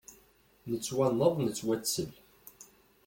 Nettwanneḍ nettwattel.